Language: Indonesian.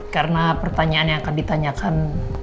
karena pertanyaannya akan ditanyakan